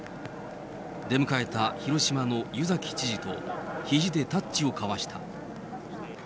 出迎えた広島のゆざき知事と、ひじでタッチをかわした。